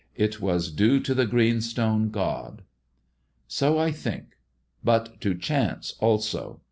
It was due to the green stone god." So I think, but to chance also.